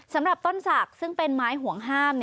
สำหรับต้นศักดิ์ซึ่งเป็นไม้ห่วงห้าม